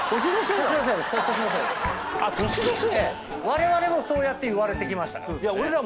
われわれもそうやって言われてきましたから。